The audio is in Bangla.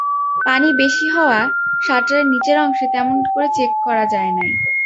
পানি বেশি হওয়া শাটারের নিচের অংশে তেমন করে চেক করা যায় নাই।